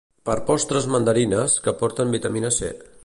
Per postres mandarines, que porten vitamina C